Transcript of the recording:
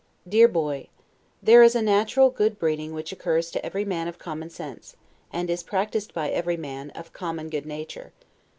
DEAR BOY: There is a natural good breeding which occurs to every man of common sense, and is practiced by every man, of common good nature.